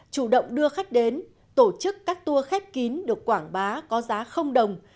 chủ động đưa khách đến tổ chức các tour khép kín được quảng bá có giá không đồng